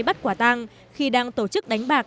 bắt quả tang khi đang tổ chức đánh bạc